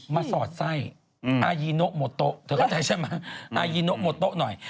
มาสอดไส้อายิโนโมโตถูกเข้าใจใช่ไหมอายิโนโมโตหน่อย